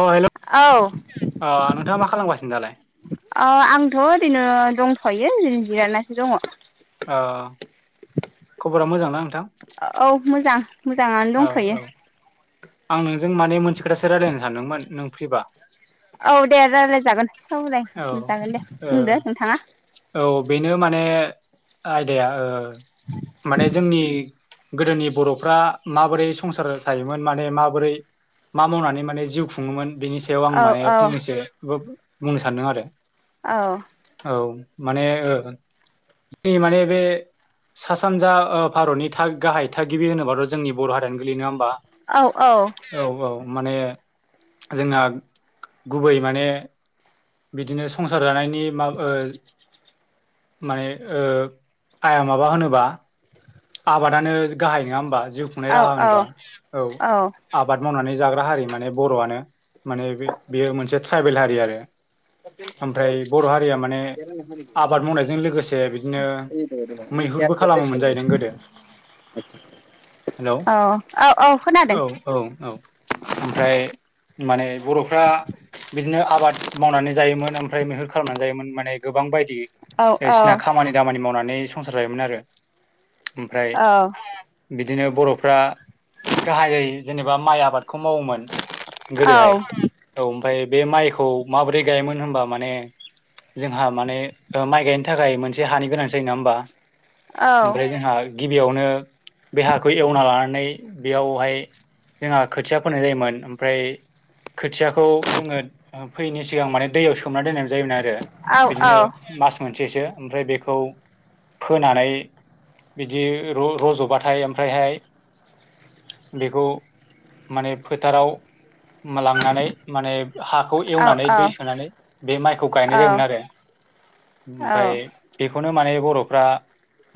अ hello औ ओ अ नोंथाङा मा खालामगासिनो दालाय अ आंथ' ओरैनो दंथ'यो ओरैनो जिरायनासो दङ अ खबरा मोजांना नोंथां औ मोजां मोजाङानो औ दंथ'यो औ आं नोंजों माने मोनसे खोथासो रायजलायनो सानदोंमोन नों फ्रिबा औ दे रायज्लाय जागोन औ दे ओ बुंदो नोंथाङा औ बेनो माने आयदाया ओ माने जोंनि गोदोनि बर'फ्रा माबोरै संसार जायोमोन माने माबोरै मा मावनानै माने जिउ खुङोमोन बेनि सायाव आं औ माने औ फंनैसो बो-बुंनो सानदों आरो औ औ माने ओ जोंनि माने बे सा सानजा ओ भारतनि गाहाय थागिबि होनोबाथ' जोंनि बर' हारियानो गोलैनोङा होमबा औ औ औ औ माने जोंना गुबै माने बिदिनो संसार जानायनि माब ओ माने ओ आया माबा होनोबा आबादानो गाहाय नङा होमबा जिउ खुंनाय औ राहा होनोबा औ आबाद मावनानै जाग्रा हारि माने बर'आनो माने बे-बेयो मोनसे ट्राइबेल हारि आरो ओमफ्राय बर' हारिया माने आबाद मावनायजों लोगोसे बिदिनो मै मैहुरबो खालामोन जाहैदों गोदो आतसा हेलौ औ औ औ ओमफ्राय माने बर'फ्रा बिदिनो आबाद मावनानै जायोमोन ओमफ्राय मैहुर खालामनानै जायोमोन माने गोबां बायदि औ औ बिायसिना खामानि दामानि मावनानै नै संसार जायोमोन आरो ओमफ्राय औ बिदिनो बर'फ्रा गाहायै जेनेबा माइ आबादखौ मावोमोन औ गोदोहाय औ ओमफ्राय बे माइखौ माबोरै गायोमोन होमबा माने जोंहा माने ओ माइ गायनो थाखाय मोनसे हानि गोनांथि जायो नङा होमबा औ ओमफ्राय जोंहा गिबियावनो बे हाखौ एवना लानानै बेयावहाय जोंहा खोथिया फोनाय जायोमोन ओमफ्राय खोथियाखौ जोङो ओ फोयैनि सिगां माने दैयाव सोमना दोननाय जायोमोन आरो बिदिनो मास मोनसेसो ओमफ्राय बेखौ फोनानै बिदि र-रज'बाथाय ओमफ्रायहाय बेखौ माने फोथाराव लांनानै माने हाखौ एवनानै दै सोनानै बे माइखौ गायनाय औ जायोमोन आरो औ ओमफाय औ बेखौनो माने बर'फ्रा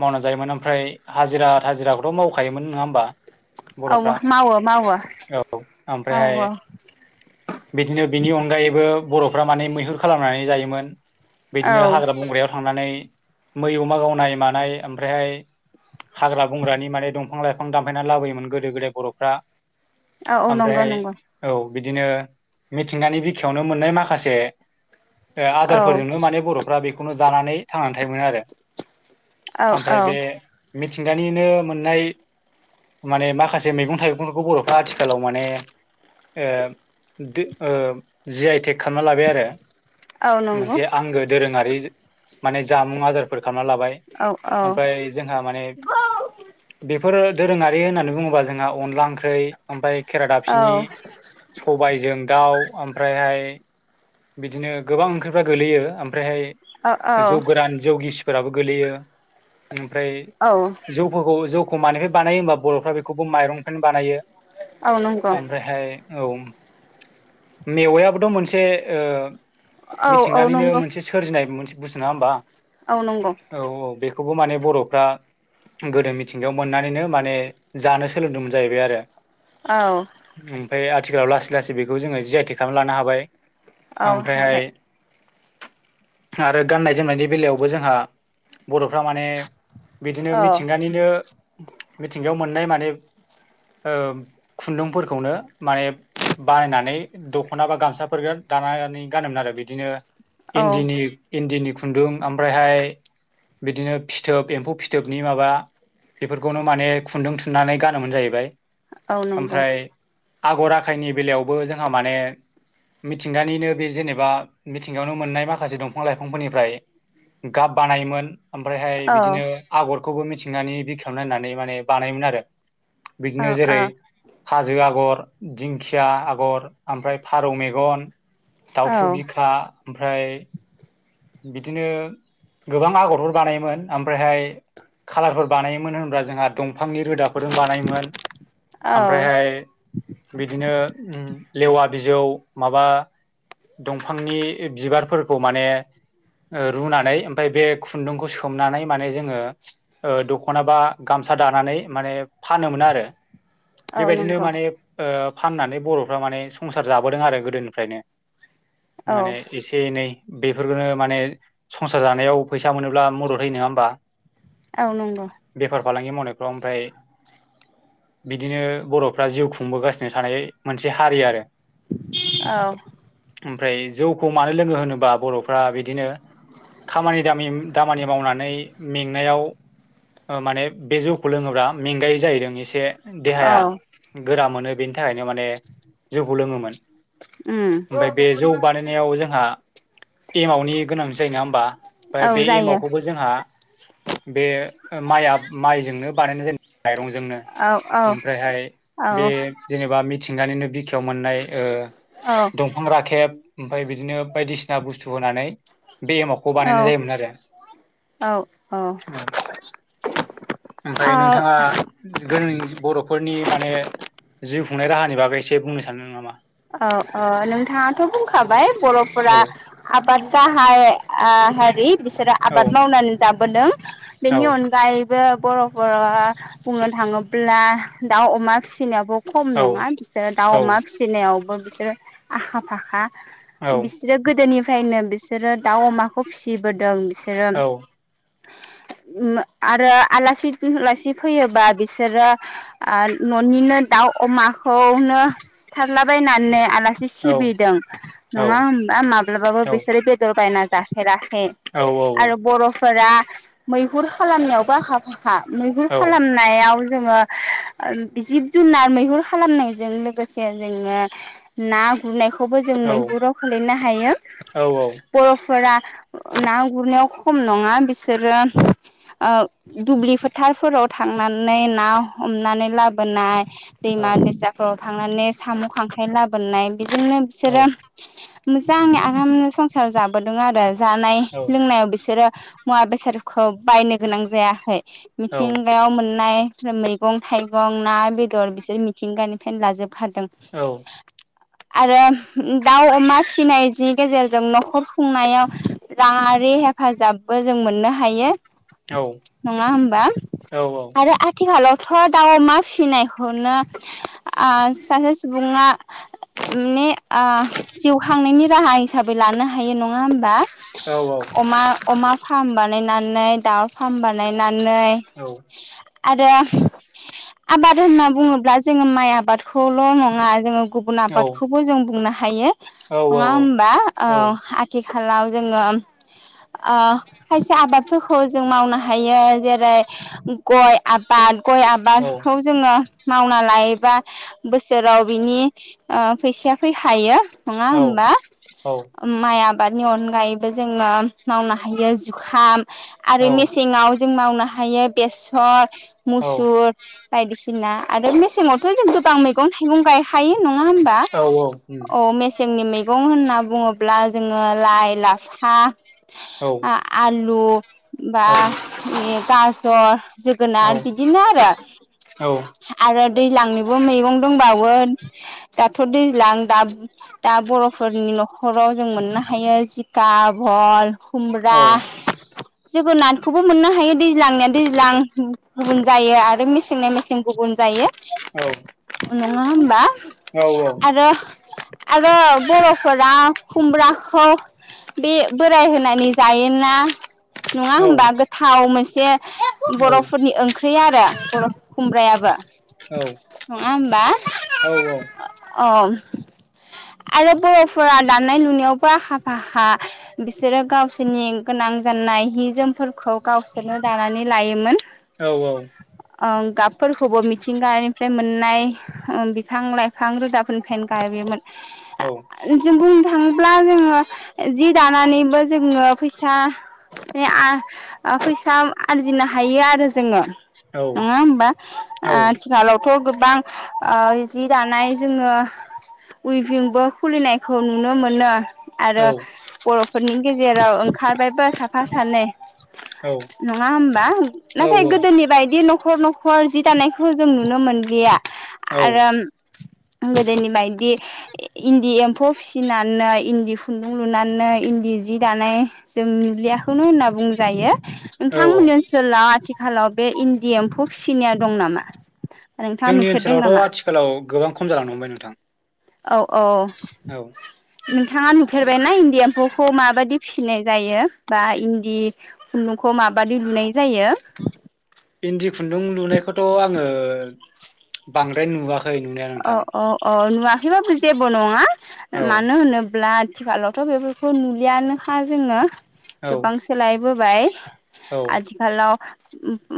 मावना जा जायोमोन ओमफ्राय हाजिरा थाजिराखौथ' मावखायोमोन नङा होमबा बर'फ्रा मावो मावो औ ओमफ्रायहाय मावो औ बिदिनो बिनि अनगायैबो बर'फ्रा माने मैहुर खालामनानै जायोमोन बिदिनो हाग्रा औ बंग्रायाव थांनानै मै अमा गावनाय मानाय ओमफ्रायहाय हाग्रा बंग्रानि माने दंफां लाइफां दानफायनानै लाबोयोमोन गोदो गोदाय बर'फ्रा औ नंगौ ओमफ्रायहाय नंगौ औ बिदिनो मिथिंगानि बिखायावनो मोननाय माखासे औ आदारफोरजोंनो माने बर'फ्रा बेखौनो जानानै थांनानै थोमो आरो औ औ ओमफ्राय बे मिथिंगानिनो मोननाय माने माखासे मैगं थाइगंफोरखौ बर'फ्रा आथिखालाव माने जि आइ टेक खालामना लाबाय आरो औ नंगौ मोनसे आंगो दोरोंङारि माने जामुं आदारफोर खालामना लाबाय औ औ ओमफ्राय जोंहा माने बे दोरोङारि होननानै बुंङोब्ला जोंहा अनला ओंख्रि ओमफाय खेरादाफिनि औ सबायजों दाउ ओमफ्रायहाय बिदिनो गोबां ओंख्रिफ्रा गोलैयो औ औ ओमफ्रायहाय जौ गोरान जौ गिस फोराबो गोलैयो ओमफ्राय औ जौफोरखौ जौ एखमानिफ्राय बानायो होमबा बर'फ्रा बेखौबो माइरंफोर बानायो औ नंगौ ओमफ्रायहाय औ मेवायाबोथ' मोनसे औ औ मिथिंनानैनो नंगौ मोनसे सोरजिनाय मोनसे बुस्थु नंङा होमबा औ नंगौ औ औ बेखौबो माने बर'फ्रा गोदो मिथिंगायाव मोननानैनो माने जानो सोलोंदोंमोन जाहैबाय आरो औ ओमफ्राय आथिखालाव लासै लासै बेखौ जोंङो जि आइ टेग खालामना लानो हाबाय औ ओमफ्रायहाय हाबाय आरो गाननाय जोमनायनि बेलायावबो जोंहा बर'फ्रा माने बिदिनो औ मिथिंगानिनो मिथिंगायाव मोननाय माने खुन्दुंफोरखौनो माने बानायनानै दख'ना बा गामसाफोर दानानै गानोमोन आरो बिदिनो औ इन्दिनि इन्दिनि खुन्दुं ओमफ्रायहाय बिदिनो फिथोब एम्फौ फिथोबनि माबा बेफोरखौनो माने खुन्दुं थुननानै गानोमोन जाहैबाय औ नंगौ ओमफ्राय आगर आखायनि बेलायावबो जोंहा माने मिथिंगानिनो बे जेनेबा मिथिंगायावनो मोननाय माखासे दंफां लाइफांफोरनिफ्राय गाब बानायोमोन ओमफ्रायहाय औ बिदिनो आगरखौबो मिथिंनानै बिखायाव नायनानै माने बानायोमोन आरो औ बिदिनो औ जेरै हाजो आगर दिंखिया आगर ओमफ्राय फारौ मेगन औ दाउथु बिखा ओमफ्राय बिदिनो गोबां आगरफोर बानायोमोन ओमफ्रायहाय खाालारफोर बानायोमोन होनबा जोंहा दंफांनि रोदाफोरजों बानायोमोन औ ओमफ्रायहाय बिदिनो लेवा बिजौ माबा दंफांनि बिबारफोरखौ माने रुनानै ओमफफ्राय बे खुन्दुंखौ सोमनानै माने जोंङो दख'ना बा गामसा दानानै माने फानोमोन आरो औ बेबायदिनो नंगौ माने फाननानै बर'फ्रा माने संसार जाबोदों आरो गोदोनिफ्रायनो औ माने एसे एनै बेफोरखौनो माने संसार जानायाव फैसा मोनोब्ला मदद होयो नंङा होमबा औ नंगौ बेफार फालांगि मावनायफ्राव ओमफाय बिदिनो बर'फ्रा जिउ खुंबोगासिनो थानाय मोनसे हारि आरो औ ओमफ्राय जौखौ मानो लोंङो होनोबा बर'फ्रा बिदि बिदिनो खामानि दामानि मावनानै मेंनायाव माने बे जौखौ लोंङोब्ला मेंगायै जाहैदों एसे औ देहाया गोरा मोनो बेनि थाखाय थाखायनो माने जौखौ लोंङोमोन उम ओमफ्राय बे जौ बानायनायाव जोंहा एमावनि गोनां जायो ना होमबा औ ओमफ्राय बे जायो एमावखौ जोंहा बे माइआ माइजोंनो बानायनाय जायो मायरंजोंनो औ औ ओमफ्रायहाय औ बे जेनेबा मिथिंगानिनो बि- खायाव मोननाय ओ औ दंफां राखेब ओमफ्राय बिदिनो बायदिसिना बुस्थु होनानै बे एमावखौ बानायनाय जायोमोन आरो औ औ ओमफाय औ नोंथाङा जों बर'फोरनि माने जिउ खुंनाय राहानि बागै एसे बुंनो सानदों नामा? औ औ नोंथाङाथ' बुंखाबाय औ बर'फोरा आबाद गाहाय आ हारि बिसोरो औ आबाद मावनानै जाबोदों औ बेनि अनगायैबो बर'फोरा' बुंनो थाङोब्ला दाउ अमा फिसिनायावबो खम औ नङा बिसोरो दाउ औ अमा फिसिनायावबो बिसोरो आखा फाखा औ बिसोरो गोदोनिफ्रायनो बिसोरो दाउ अमाखौ फिसिबोदों सेरोम औ [inaudible] उम आरो आलासि गोहोलासि फैयोबा बिसोरो आ न'निनो दा- दाउ अमाखौनो सिुथारलाबायनानै आला- सि औ सिबिदों औ नङा होनबा माब्लाबाबो औ बिसोरो बेदर बायना जाफेराखै औ आरो बर'फोरा मैहुर खालामनायावबो आखा फाखा मैहुर खालामनायाव जोङो ओम जिब जुनार मैहुर खालामनायजों लोगोसे जोङो ना गुरनाय- खौबो जों मैहुराव खोलैनो हायो बर'फोरा ना गुरनायाव खम नङा बिसोरो अ दुब्लि फोथारफोराव थांनानै ना ह- हमनानै लाबोनाय दैमा दैसाफ्राव थांनानै साम' खांख्राइ लाबोनाय बेजोंनो बिसोरो मोजांङै आरामनो संसार जाबोदों आरो जानाय लोंनायाव बिसोरो मुवा बेसादखौ बायनो गोनां जायाखै मिथिंगायाव मोननाय मैगं थाइगं ना बेदर बिसोर मिथिंगानिफ्रायनो लाजोबखादों औ आरो दाउ अमा फिसिनाय जि गेजेरजों न'खर खुंनायाव राङारि हेफाजाबबो जों मोननो हायो औ औ उम औ नङा हमबा आरो आथिखालाव- थ' दाउ अमा फिसिनायखौनो आ सासे सुबुङा ने आह जिउ खांनायनि राहा हिसाबै लानो हायो नङा होमबा अमा-अमा फार्म बानायनानै दाउ फार्म बानायना नै आरो आबाद होनना बुङोब्ला जोङो माइ आबादखौल' नङा जोङो गुबुन आबादखौबो जों बुंनो हायो नङा हमबा अ आथि- खालाव जोङो अ खायसे आबादफोरखौ जों मावनो हायो जेरै- गय आबाद गय आबादखौ जोङो मावना लायोबा बोस- सोराव बिनि अ फैसाया फैखायो नङा होमबा माइ आ- बादनि अनगायैबो जोङो मावनो हायो जुखाम आरो मेसेंआव जों मावनो हायो बेसर मुसुर बायदिसिना आरो मेसेंआवथ' जों गोबां मे- गं थाइगं गायखायो नङा होमबा औ अ मे- सेंनि मेगं होनना बुङोब्ला जोङो लाइ लाफा आ-आल- लु बा गाजर जोगोनार बिदिनो आरो आरो दैज्लांनिबो मैगं दंबावो दाथ' दैज्लां दा-दा बर'फोरनि न'खराव जों मोनना थायो जिखा भल खुमब्रा जोगोनाथखौबो मोननो हायो दैज्लांनिया दैज्लां गुबुन जायो आरो मेसेंनिया मेसें गुबुन जायो औ नङा होमबा औ औ आरो आरो बर'फोरा खुमब्राखौ बे बोराय होनानै जायोना। नङा होनबा गोथाव मोनसे बर'फोरनि ओंख्रि आरो बर' खुमब्रायाबो औ नङा होमबा अ अ [unintelligible] आरो बर'फोरा दानाय लुनायावबो आखा फाखा बिसोरो गावसोरनि गोनां गाननाय हि जोमफोरखौ गावसोरनो दानानै लायोमोन। औ औ ओं गाबफोरखौबो मिथिंगानिफ्राय मोननाय बिफां लाइफां रोदाफोरनिफ्रायनो गाबबोयोमोन। आ औ जुगुम थांब्ला जोङो जि दानानैबो जोङो फैसा बे आ फैसा आरजिनो हायो आरो जोङो। औ नङा होमबा औ आथिखालावथ' गोब ओ जि दानाय जोङो उइभिंबो खुलिनायखौ नुनो मोनो औ आरो बर'फोरनि गेजेराव ओंखारबायबो साफा सानै औ नङा होमबा औ नाथाय गोदोनि बायदि न' न'खर न'खर जि दानायखौ जों नुनो मोनलिया। औ आरो गोदोनि बायदि इन्दि एम्फौ फिसिनानै इन्दि खुन्दुं लुनानै इन्दि जि दानाय जों नुबलियाखौनो होनना बुंजायो औ नोंथांमोननि ओनसोलाव आथिखालाव बे इन्दि एम्फौ फिसिनाया दं नामा? नोंथाङा जोंनि नुफेरदों ओनसोलावथ' नामा? आथिखालाव गोबां खम जालांनो हमबाय नोंथां। औ औ औ नोंथाङा नुफेरबायना इण्डियाखौ खौ माबाददि फिसिनाय जायो बा इन्दि खुन्दुंखौ माबाददि लुनाय जायो। इन्दि खुन्दुं लुनायखौथ' आङो बांद्राय नुवा औ औ औ नुवाखैबाबो जेबो नङा औ मानो होनोब्ला आथिखालावथ' बेफोरखौ नुलियानोखा जोङो औ गोबां सोलायबोबाय औ आथिखालाव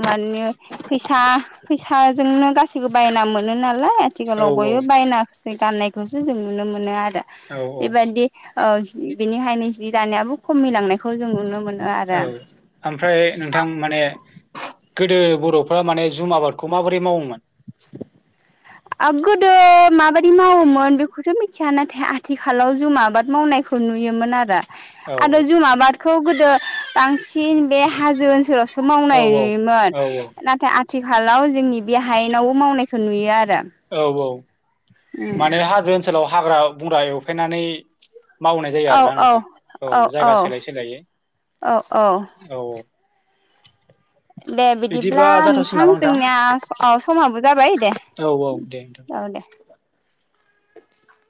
माने फैसा फैसा जोंनो गासैखौबो बायना मोनो नालाय औ आथिखालाव औ बयबो बायनासै गाननायखौसो जों नुनो मोनो आरो। औ औ बेबायदि ओ बेनिखायनो जि दानायाबो खमिलांनायखौ जों नुनो मोनो। आरो औ ओमफ्राय नोंथां माने गोदो बर'फ्रा माने जुम आबादखौ माबोरै मावोमोन। [unintelligible] आ गोदो माबायदि मावोमोन बेखौथ मिथिया नाथाय आथिखालाव जुम आबाद मावनाय फोर नुयोमोन आरो औ आरो जुमा आबादखौ गोदो बांसिन बे हाजो ओनसोलावसो औ मावनाय नुयोमोन औ नाथाय आथिखालाव जोंनि बे हायेनावबो मावनायखो नुयो आरो। औ औ माने हाजो ओनसोलाव हाग्रा बंग्रा एवफायनानै मावनाय जायो औ आरोना औ नोंथां औ जायगा सोलायै सोलायै औ औ औ औ। दे बिदिब्ला बिदिबा जाथ'सिगोन नोंथां नामा जोंनिया समाबो जाबाय दे। औ औ दे। औ दे